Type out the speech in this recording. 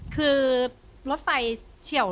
คือรถไฟเฉียว